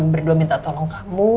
berdua minta tolong kamu